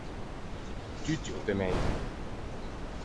Tutti ô temmeivan.